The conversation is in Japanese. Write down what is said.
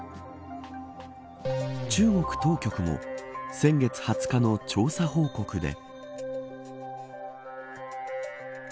中国当局も、先月２０日の調査報告で。